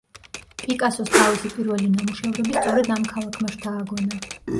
პიკასოს თავისი პირველი ნამუშევრები სწორედ ამ ქალაქმა შთააგონა.